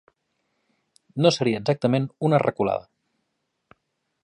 No seria exactament una reculada.